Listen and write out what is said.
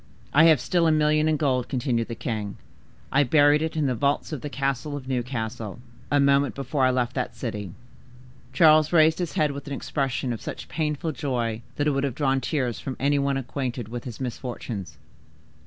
"'I have still a million in gold,' continued the king. 'I buried it in the vaults of the castle of Newcastle, a moment before I left that city.'" Charles raised his head with an expression of such painful joy that it would have drawn tears from any one acquainted with his misfortunes.